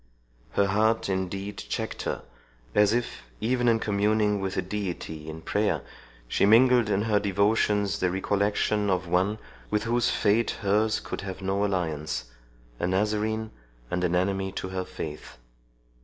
Her heart indeed checked her, as if, even in communing with the Deity in prayer, she mingled in her devotions the recollection of one with whose fate hers could have no alliance—a Nazarene, and an enemy to her faith.